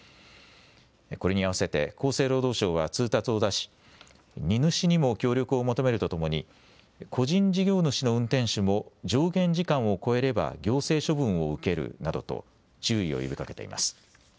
これにあわせて厚生労働省は通達を出し荷主にも協力を求めるとともに個人事業主の運転手も上限時間を超えれば行政処分を受けるなどと注意を呼びかけています。